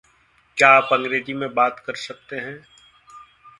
क्या आप अंग्रेजी में बात कर सकते हैं